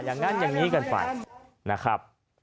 อย่างนั้นอย่างนี้กันไปนะครับ